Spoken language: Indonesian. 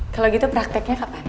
kalau gitu prakteknya kapan